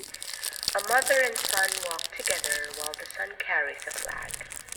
A mother and son walk together while the son carries a flag.